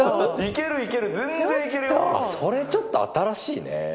いける、いける、全然いけるそれ、ちょっと新しいね。